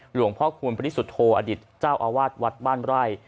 หลวงพ่อคูณปริสุทธโทอดิตเจ้าอาวาสวัดบ้านไร่